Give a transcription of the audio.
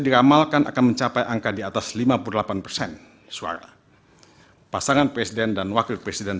diramalkan akan mencapai angka di atas lima puluh delapan persen suara pasangan presiden dan wakil presiden